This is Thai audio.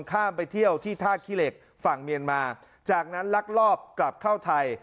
ข้ามไปเที่ยวที่ท่าขี้เหล็กฝั่งเมียนมาจากนั้นลักลอบกลับเข้าไทย